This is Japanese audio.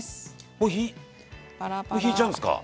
もうひいちゃうんですか？